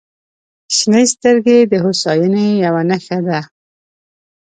• شنې سترګې د هوساینې یوه نښه ده.